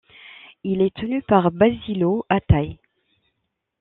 Il est tenu par Basilio Athai.